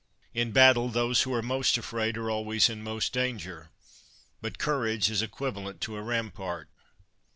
In battle, those who are most afraid are always in most danger; but courage is equivalent to a rampart.